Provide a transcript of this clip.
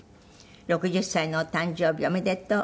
「６０歳のお誕生日おめでとう。